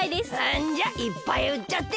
んじゃいっぱいうっちゃって！